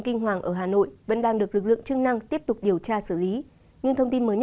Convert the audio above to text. kinh hoàng ở hà nội vẫn đang được lực lượng chức năng tiếp tục điều tra xử lý nhưng thông tin mới nhất